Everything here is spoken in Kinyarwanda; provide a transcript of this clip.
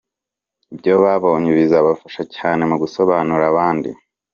ibyo babonye bizabafasha cyane mu gusobanurira abandi.